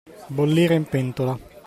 Bollire in pentola.